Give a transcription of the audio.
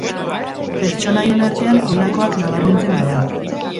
Pertsonaien artean honakoak nabarmentzen dira.